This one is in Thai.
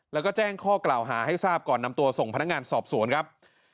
แล้วก็แจ้งข้อกล่าวหาให้ทราบก่อนนำตัวส่งพนักงานสอบสวนครับ